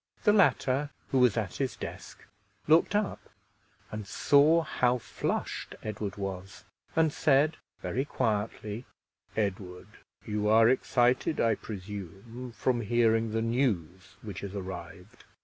The latter, who was at his desk, looked up, and saw how flushed Edward was, and said very quietly, "Edward, you are excited, I presume, from hearing the news which has arrived?"